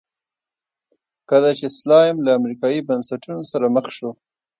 کله چې سلایم له امریکایي بنسټونو سره مخ شو.